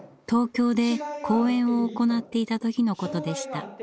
東京で講演を行っていた時のことでした。